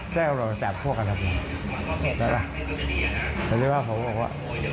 แต่พวกผมดูแบบพวกกันแบบนี้แต่ลูกคือรักนะ